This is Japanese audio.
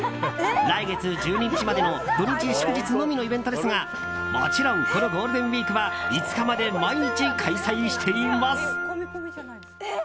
来月１２日までの土日祝日のみのイベントですがもちろんこのゴールデンウィークは５日まで毎日開催しています。